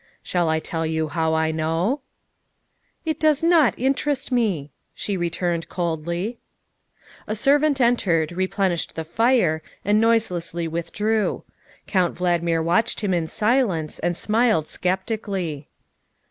Shall I tell you how I know?" " It does not interest me," she returned coldly. A servant entered, replenished the fire, and noiselessly withdrew; Count Valdmir watched him in silence and smiled sceptically.